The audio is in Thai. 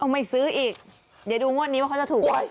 ไม่ซื้ออีกเดี๋ยวดูงวดนี้ว่าเขาจะถูกไหม